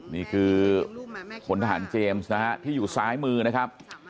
นี่คือพลทหารเจมส์นะฮะที่อยู่ซ้ายมือนะครับ